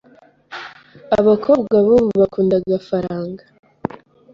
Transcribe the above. abakobwa bubu bakunda agafaranga